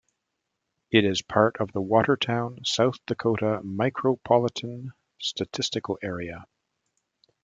It is part of the Watertown, South Dakota Micropolitan Statistical Area.